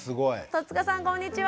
戸塚さんこんにちは！